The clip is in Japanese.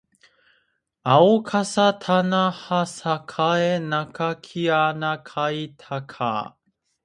あおかさたなはさかえなかきあなかいたかあ